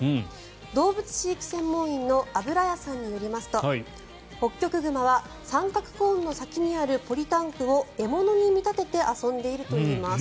動物飼育専門員の油家さんによりますとホッキョクグマは三角コーンの先にあるポリタンクを獲物に見立てて遊んでいるといいます。